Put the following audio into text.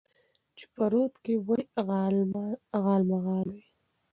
چې په رود کې ولې غالمغال دى؟